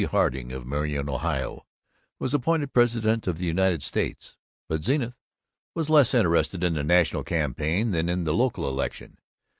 Harding, of Marion, Ohio, was appointed President of the United States, but Zenith was less interested in the national campaign than in the local election.